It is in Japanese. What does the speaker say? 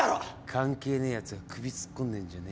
関係ねえやつが首突っ込んでんじゃねえよ。